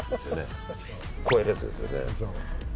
こうやるやつですよね。